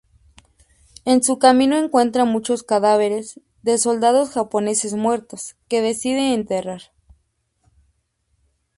En su camino encuentra muchos cadáveres de soldados japoneses muertos, que decide enterrar.